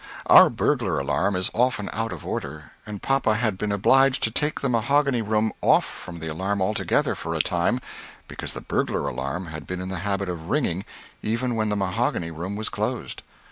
Our burglar alarm is often out of order, and papa had been obliged to take the mahogany room off from the alarm altogether for a time, because the burglar alarm had been in the habit of ringing even when the mahogany room was closed.